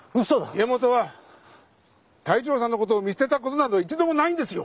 家元は太一郎さんのことを見捨てたことなど一度もないんですよ！